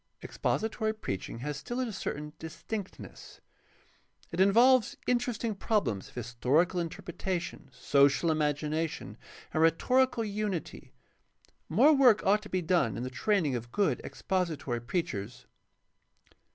Expository preaching has still a certain distinctness. It involves interesting problems of historical interpretation, social imagination, and rhetorical unity. More work ought to be done in the training of good expository preachers.